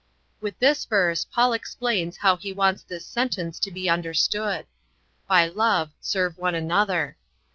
'" With this verse Paul explains how he wants this sentence to be understood: "By love serve one another.